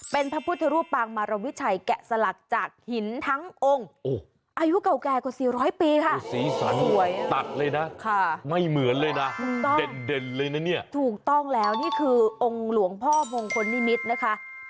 เป็นพระพุทธรูปตางมารวิชัยแกะสลักจากหินทั้งองค์